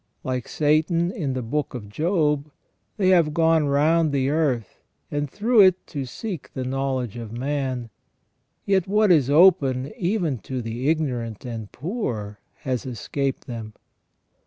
Like Satan in the Book of Job, they have gone round the earth and through it to seek the knowledge of man, yet what is open even to the ignorant and poor has escaped them.